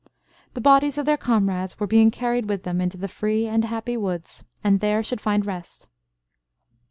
The bodies of their comrades were being carried with them into the free and happy woods, and there should find rest.